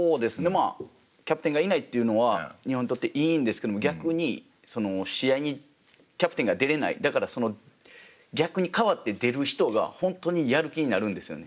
まあキャプテンがいないっていうのは日本にとっていいんですけども逆にその試合にキャプテンが出れないだからその逆に代わって出る人が本当にやる気になるんですよね。